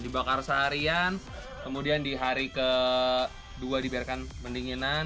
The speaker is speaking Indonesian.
dibakar seharian kemudian di hari kedua dibiarkan mendinginan